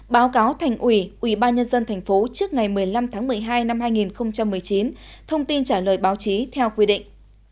báo cáo thành ủy ubnd tp trước ngày một mươi năm tháng một mươi hai năm hai nghìn một mươi chín thông tin trả lời báo chí theo quy định